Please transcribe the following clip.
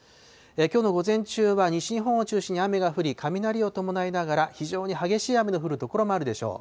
きょうの午前中は西日本を中心に雨が降り、雷を伴いながら、非常に激しい雨の降る所もあるでしょう。